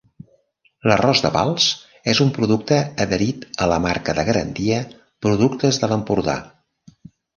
L'arròs de Pals és un producte adherit a la Marca de garantia Productes de l'Empordà.